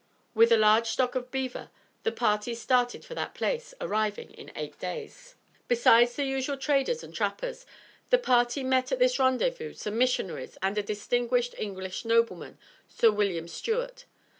With a large stock of beaver, the party started for that place, arriving in eight days. Besides the usual traders and trappers, the party met at this rendezvous some missionaries and a distinguished English nobleman, Sir William Stuart.